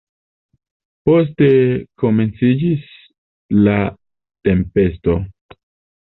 Poste komenciĝis la tempesto.